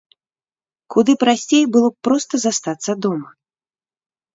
Куды прасцей было б проста застацца дома.